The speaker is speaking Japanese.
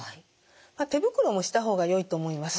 手袋もした方がよいと思います。